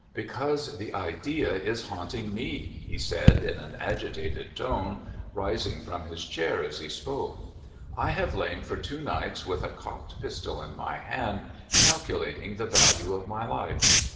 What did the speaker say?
"" Because the idea is haunting me^'' he said in an agitated tone, rising from his chair as he spoke. " I have lain for two nights with a cocked pistol in my hand, calculating the value of my life.